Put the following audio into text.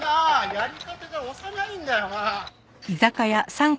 やり方が幼いんだよなあ。